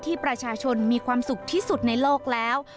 ที่ประชาชนมีความสุขที่สุดในโลกแล้ว